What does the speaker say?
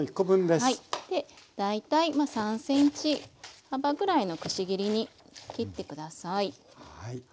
大体３ｃｍ幅ぐらいのくし切りに切って下さい。